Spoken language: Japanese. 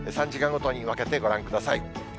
３時間ごとに分けてご覧ください。